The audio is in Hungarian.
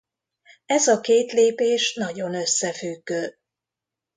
Ez a két lépés nagyon összefüggő.